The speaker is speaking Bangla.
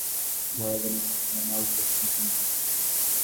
সেভিয়ার কপাল মন্দ, সেই ক্ষোভ ঝাড়ার জন্য ক্রিস্টিয়ানো রোনালদো বেছে নিলেন তাদেরই।